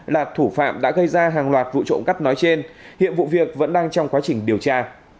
là thủ phạm đã gây ra hàng loạt vụ trộm cắp nói trên hiện vụ việc vẫn đang trong quá trình điều tra